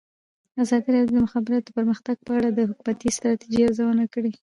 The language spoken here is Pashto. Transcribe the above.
ازادي راډیو د د مخابراتو پرمختګ په اړه د حکومتي ستراتیژۍ ارزونه کړې.